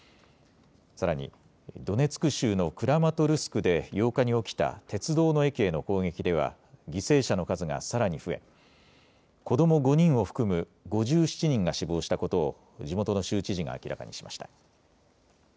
さらに、ドネツク州のクラマトルスクで８日に起きた鉄道の駅への攻撃では犠牲者の数がさらに増え子ども５人を含む５７人が死亡したことを地元の州知事が明らかにしました。